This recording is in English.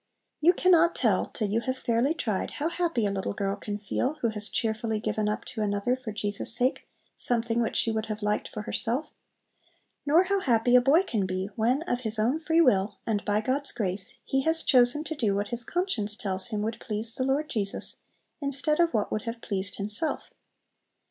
You can not tell, till you have fairly tried, how happy a little girl can feel, who has cheerfully given up to another, for Jesus' sake, something which she would have liked for herself; nor how happy a boy can be when of his own free will, and by God's grace, he has chosen to do what his conscience tells him would please the Lord Jesus instead of what would have pleased himself.